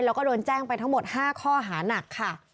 แล้วก็โดนแจ้งไปทั้งหมด๕ข้อหานักค่ะ